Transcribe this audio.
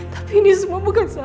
tapi ini semua bukan salahku mam